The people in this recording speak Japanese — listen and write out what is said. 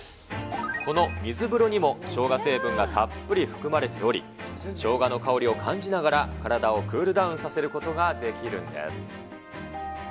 この水風呂にもしょうが成分がたっぷり含まれており、しょうがの香りを感じながら、体をクールダウンさせることができるんです。